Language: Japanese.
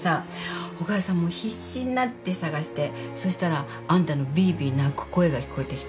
お母さん必死になって捜してそしたらあんたのビービー泣く声が聞こえてきて。